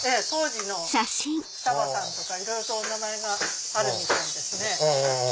二葉さんとかいろいろとお名前があるみたいですね。